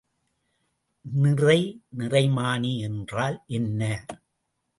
நிறை நிறமானி என்றால் என்ன?